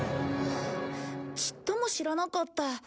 ちっとも知らなかった。